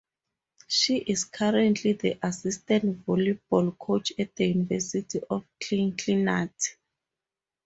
She is currently the assistant volleyball coach at the University of Cincinnati.